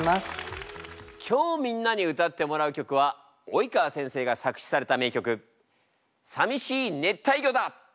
今日みんなに歌ってもらう曲は及川先生が作詞された名曲「淋しい熱帯魚」だ。